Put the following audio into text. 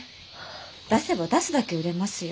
出せば出すだけ売れますよ。